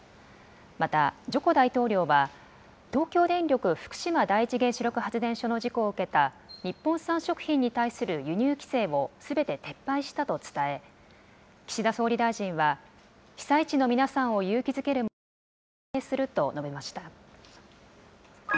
また、ジョコ大統領は、東京電力福島第一原子力発電所の事故を受けた日本産食品に対する輸入規制をすべて撤廃したと伝え、岸田総理大臣は、被災地の皆さんを勇気づけるもので歓迎すると述べました。